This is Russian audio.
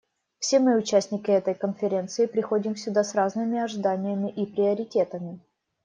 Все мы, участники этой Конференции, приходим сюда с разными ожиданиями и приоритетами.